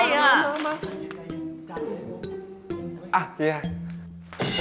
มาแล้ว